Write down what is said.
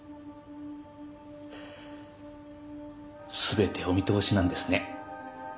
全てお見通しなんですね。